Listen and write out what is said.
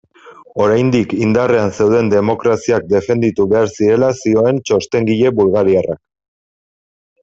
Oraindik indarrean zeuden demokraziak defenditu behar zirela zioen txostengile bulgariarrak.